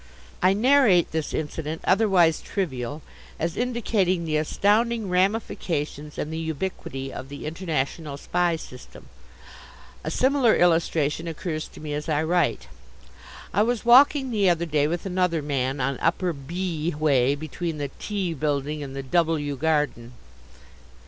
I narrate this incident, otherwise trivial, as indicating the astounding ramifications and the ubiquity of the international spy system. A similar illustration occurs to me as I write. I was walking the other day with another man, on upper B. way between the T. Building and the W. Garden.